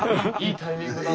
いいタイミングです。